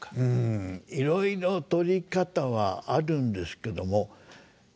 うんいろいろ取り方はあるんですけども。